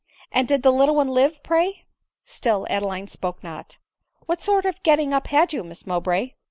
" And did the little one live, pray ?" Still Adeline spoke not. " What sort of a getting up had you, Miss Mowbray